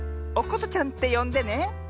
おことちゃんってよんでね。